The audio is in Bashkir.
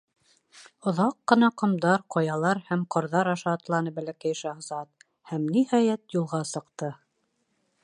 Оҙаҡ ҡына ҡомдар, ҡаялар һәм ҡарҙар аша атланы Бәләкәй шаһзат, һәм, ниһайәт, юлға сыҡты.